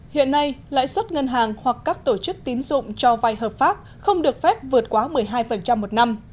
hiện nay lãi suất ngân hàng hoặc các tổ chức tín dụng cho vai hợp pháp không được phép vượt quá một mươi hai một năm